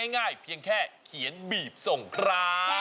ง่ายเพียงแค่เขียนบีบส่งครับ